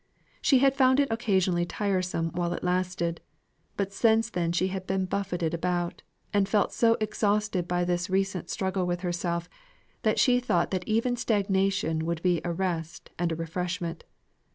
She had found it occasionally tiresome while it lasted; but since then she had been buffeted about, and felt so exhausted by this recent struggle with herself, that she thought that even stagnation would be a rest and a refreshment.